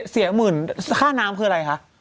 เสียหมื่นค่าน้ำคืออะไรคะ